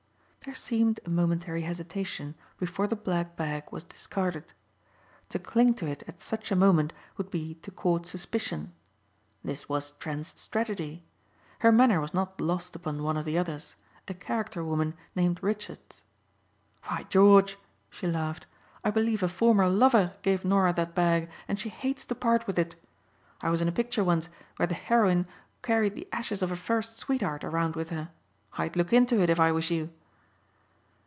There seemed a momentary hesitation before the black bag was discarded. To cling to it at such a moment would be to court suspicion. This was Trent's strategy. Her manner was not lost upon one of the others, a character woman named Richards. "Why, George," she laughed, "I believe a former lover gave Norah that bag and she hates to part with it. I was in a picture once where the heroine carried the ashes of her first sweetheart around with her. I'd look into it if I was you."